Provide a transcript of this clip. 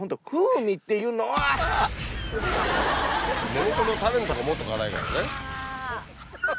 根元の種のとこもっと辛いからね。